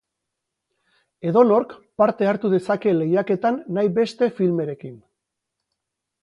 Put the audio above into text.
Edonork, parte hartu dezake lehiaketan nahi beste filmerekin.